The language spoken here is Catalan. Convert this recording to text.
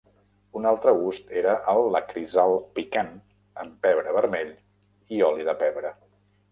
Un altre gust era el Lakrisal "picant", amb pebre vermell i oli de pebre.